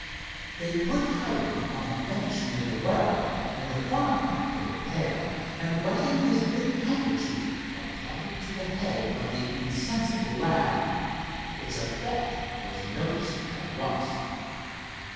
They put Hiram on a bench near the well, and the farmer filled a pail, and wetting his big handkerchief applied it to the head of the insensible lad. Its effect was noticed at once.